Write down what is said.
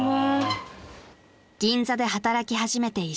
［銀座で働き始めて１週間］